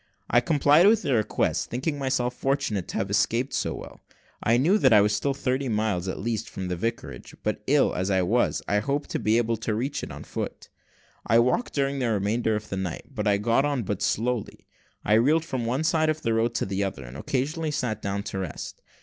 I complied with their request, thinking myself fortunate to have escaped so well. I knew that I was still thirty miles at least from the vicarage; but ill as I was, I hoped to be able to reach it on foot. I walked during the remainder of the night, but I got on but slowly. I reeled from one side of the road to the other, and occasionally sat down to rest.